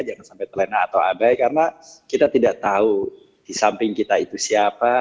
jangan sampai terlena atau abai karena kita tidak tahu di samping kita itu siapa